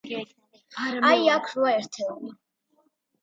აი, აქ, რვა ერთეული.